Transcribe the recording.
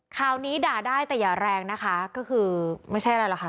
ข่าวนี้ด่าได้แต่อย่าแรงนะคะก็คือไม่ใช่อะไรหรอกค่ะ